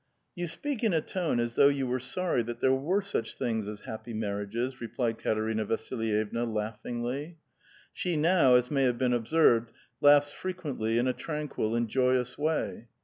" You speak in a tone as though you were sorry that there were such things as happy maiTiages," replied Katerina Vasilyevna laughingl}'. She now, as may have been observed, laughs frequently in a tranquil and joyous way.